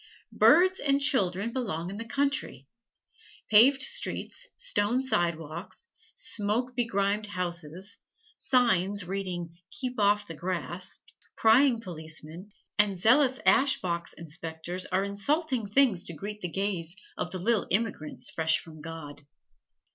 Birds and children belong in the country. Paved streets, stone sidewalks, smoke begrimed houses, signs reading, "Keep Off the Grass", prying policemen, and zealous ash box inspectors are insulting things to greet the gaze of the little immigrants fresh from God.